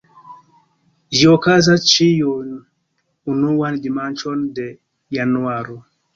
Ĝi okazas ĉiun unuan dimanĉon de januaro.